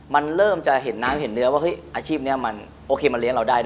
ต้องจะเห็นน้ำเห็นเนื้อว่าอาชีพเนี่ยมันโอเคมาเลี้ยงเราได้